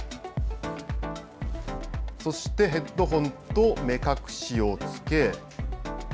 そしてヘッドホンと目隠しを着け。